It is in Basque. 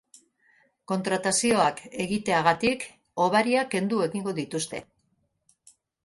Kontratazioak egiteagatik hobariak kendu egingo dituzte.